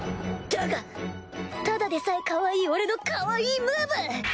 だがただでさえかわいい俺のかわいいムーブ！